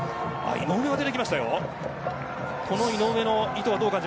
井上が出てきました。